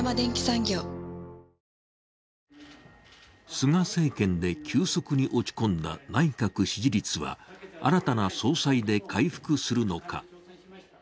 菅政権で急速に落ち込んだ内閣支持率は新たな総裁で回復するのか。